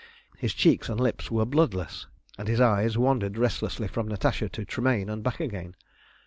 His cheeks and lips were bloodless, and his eyes wandered restlessly from Natasha to Tremayne and back again.